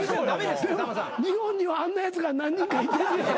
でも日本にはあんなやつが何人かいてんねやろ。